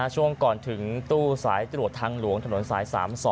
ช่วงก่อนถึงตู้สายตรวจทางหลวงถนนสาย๓๒